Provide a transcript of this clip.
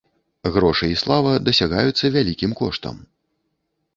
Грошы і слава дасягаюцца вялікім коштам.